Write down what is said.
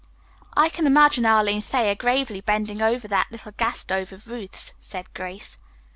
"I can imagine Arline Thayer gravely bending over that little gas stove of Ruth's," said Grace.